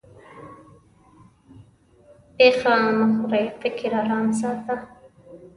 پېښه مه خورې؛ فکر ارام ساته.